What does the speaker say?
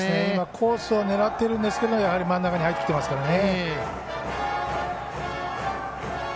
コースを狙っているんですけど真ん中に入ってきてますからね。